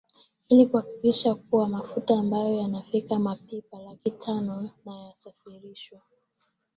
ili kuahakikisha kuwa mafuta ambayo yanafika mapipa laki tano nayasafirishwa